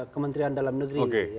kementerian dalam negeri